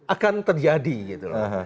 akan terjadi gitu loh